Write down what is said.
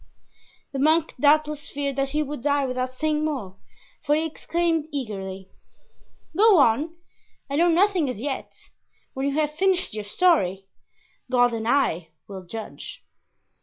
The monk doubtless feared that he would die without saying more, for he exclaimed eagerly: "Go on, I know nothing, as yet; when you have finished your story, God and I will judge."